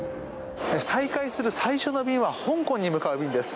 再開する最初の便は香港に向かう便です。